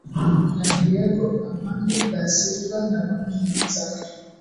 na Diego Armando da Silva na pamoja na wenzake